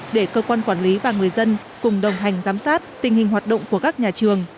để cơ quan quản lý và người dân cùng đồng hành giám sát tình hình hoạt động của các nhà trường